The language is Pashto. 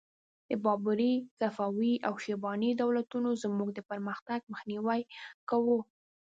د بابري، صفوي او شیباني دولتونو زموږ د پرمختګ مخنیوی کاوه.